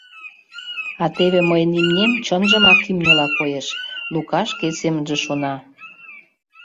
«А теве мыйын имнем чынжымак имньыла коеш, — Лука шке семынже шона.